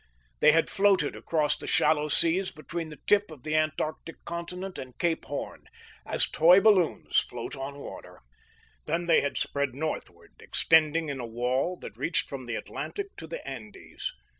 They had floated across the shallow seas between the tip of the Antarctic Continent and Cape Horn, as toy balloons float on water. Then they had spread northward, extending in a wall that reached from the Atlantic to the Andes.